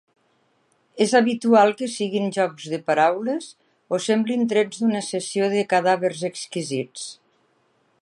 És habitual que siguin jocs de paraules o semblin trets d'una sessió de cadàvers exquisits.